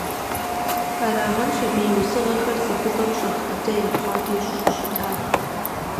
Арагъэнщ абы и усыгъэхэр цӀыхубэм щӀэх дыдэ япхъуатэу щӀыщытар.